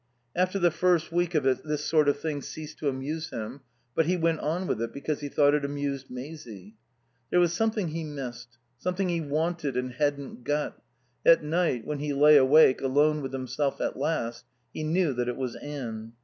After the first week of it this sort of thing ceased to amuse him, but he went on with it because he thought it amused Maisie. There was something he missed; something he wanted and hadn't got. At night, when he lay awake, alone with himself at last, he knew that it was Anne.